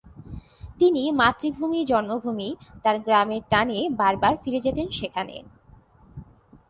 তিনি মাতৃভূমি-জন্মভূমি তার গ্রামের টানে বার বার ফিরে যেতেন সেখানে।